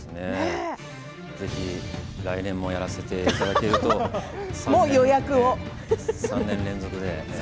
ぜひ来年もやらせていただけると３年連続で。